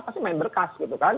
pasti main berkas gitu kan